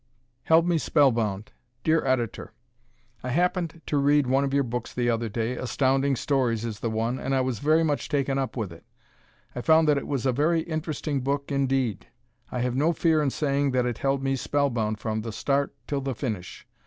"Held Me Spellbound" Dear Editor: I happened to read one of your books the other day Astounding Stories is the one and I was very much taken up with it. I found that it was a very interesting book, indeed. I have no fear in saying that it held me spellbound from the start till the finish.